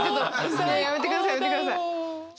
それやめてくださいやめてください！最高だよ！